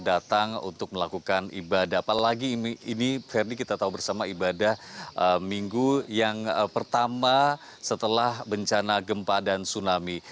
datang untuk melakukan ibadah apalagi ini ferdi kita tahu bersama ibadah minggu yang pertama setelah bencana gempa dan tsunami